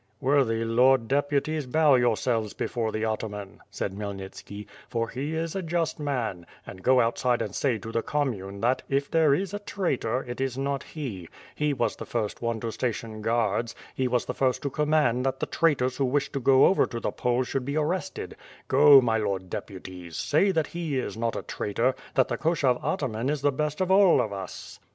"Worthy lord deputies, bow yourselves before the ataman," said Khmyelnitski, "for he is a just man; and go outside and say to the commune that, if there is a traitor, it is not he; he was the first one to station guards; he was the first to command that the traitors who wished to go over to the Poles should be arrested; go, my lord deputies, say that he is not a traitor, that the Koshov ataman is the best of all of us."